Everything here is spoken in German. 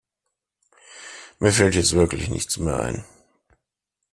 Mir fällt jetzt wirklich nichts mehr ein.